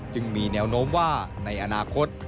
จึงมีแนวโน้มว่าในอนาคต